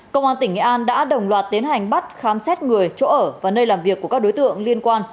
công an tỉnh nghệ an đã đồng loạt tiến hành bắt khám xét người chỗ ở và nơi làm việc của các đối tượng liên quan